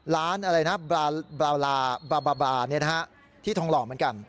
ร้านอะไรนะบราบาบาที่ทองหล่อเหมือนกัน